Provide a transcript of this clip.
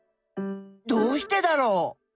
どうしてだろう？